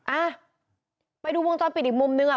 อ่ะไปดูวงจรปิดอีกมุมนึงอ่ะ